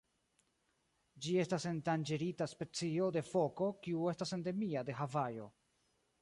Ĝi estas endanĝerita specio de foko kiu estas endemia de Havajo.